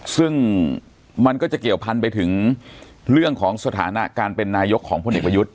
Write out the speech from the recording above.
ซึ่งมันก็จะเกี่ยวพันไปถึงเรื่องของสถานะการเป็นนายกของพลเอกประยุทธ์